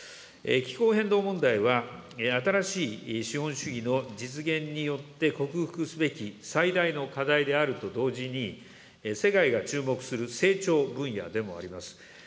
気候変動問題は、新しい資本主義の実現によって克服すべき最大の課題であると同時に、世界が注目する成長分野でもあります。